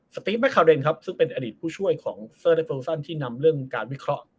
ตีฟแคเรนครับซึ่งเป็นอดีตผู้ช่วยของเซอร์และโปรซันที่นำเรื่องการวิเคราะห์